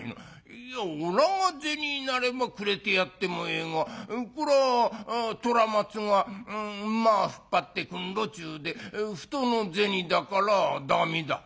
「いやおらが銭なればくれてやってもええがこら虎松が馬引っ張ってくんろちゅうて人の銭だからだめだ」。